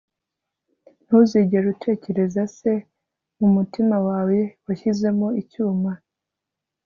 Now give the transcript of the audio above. ntuzigere utekereza se, mumutima wawe washyizemo icyuma